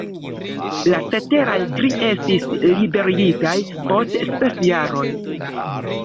La ceteraj tri estis liberigitaj post ses jaroj.